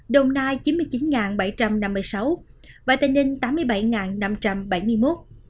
tp hcm hai trăm chín mươi chín bảy trăm năm mươi sáu tp hcm tám mươi bảy năm trăm bảy mươi một